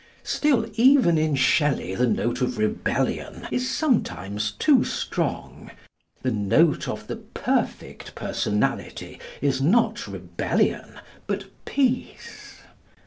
Still, even in Shelley the note of rebellion is sometimes too strong. The note of the perfect personality is not rebellion, but peace.